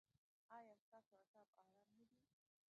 ایا ستاسو اعصاب ارام نه دي؟